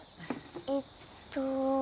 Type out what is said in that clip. えっと。